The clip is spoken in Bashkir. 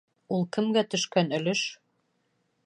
— Ул кемгә төшкән өлөш?